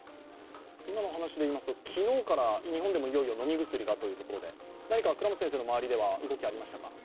今の話でいいますと昨日から日本でもいよいよ飲み薬ということで何か倉持先生の周りでは動きはありましたか？